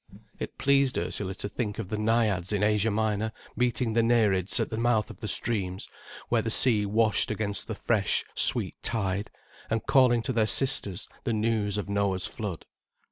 It pleased Ursula to think of the naiads in Asia Minor meeting the nereids at the mouth of the streams, where the sea washed against the fresh, sweet tide, and calling to their sisters the news of Noah's Flood.